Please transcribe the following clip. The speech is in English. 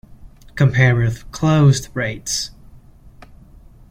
Compare with closed braids.